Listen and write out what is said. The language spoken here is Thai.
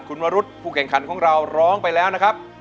คุณวรุษผู้แข่งขันของเราร้องไปแล้วนะครับ